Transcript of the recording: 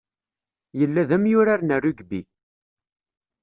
Yella d amyurar n rugby.